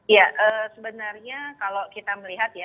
ya sebenarnya kalau kita melihat ya